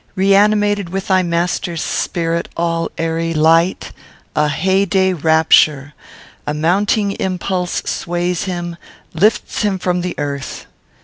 Reanimated with thy master's spirit, all airy light! A heyday rapture! A mounting impulse sways him: lifts him from the earth.